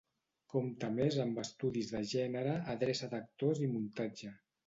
Compte a més amb estudis de gènere, adreça d'actors i muntatge.